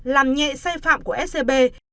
làm nhẹ sai phạm của bà nhàn